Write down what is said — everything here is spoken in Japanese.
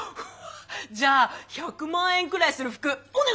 じゃあ１００万円くらいする服お願いします！